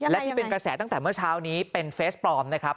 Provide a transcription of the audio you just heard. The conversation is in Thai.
และที่เป็นกระแสตั้งแต่เมื่อเช้านี้เป็นเฟสปลอมนะครับ